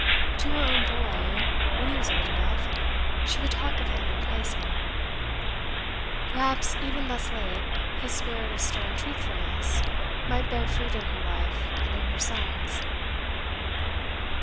To her own boy, when he was old enough, she would talk of him and praise him. Perhaps, even thus late, his spirit of stern truthfulness might bear fruit in her life and in her son's.